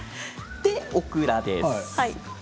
オクラです。